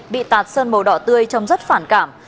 bị tạt sơn màu đỏ tươi trông rất phản cảm